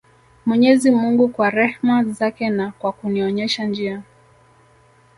Mwenyezi mungu kwa rehma zake na kwa kunionyesha njia